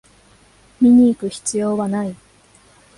見にいく必要はない